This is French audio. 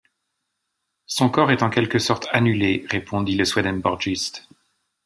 Son corps est en quelque sorte annulé, répondit le swedenborgiste.